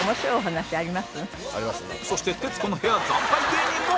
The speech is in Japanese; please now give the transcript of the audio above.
そして徹子の部屋惨敗芸人も